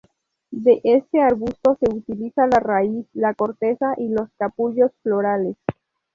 De este arbusto se utiliza la raíz, la corteza y los capullos florales.